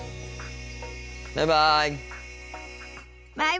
バイバイ。